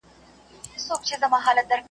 زحمت انسان بریا ته رسوي.